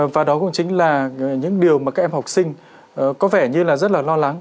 và đó cũng chính là những điều mà các em học sinh có vẻ như là rất là lo lắng